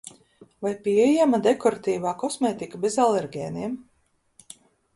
Vai pieejama dekoratīvā kosmētika bez alergēniem?